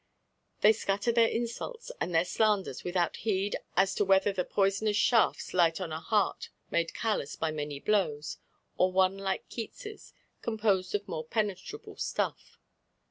They scatter their insults and their slanders without heed as to whether the poisonous shafts light on a heart made callous by many blows, or one like Keats', composed of more penetrable stuff."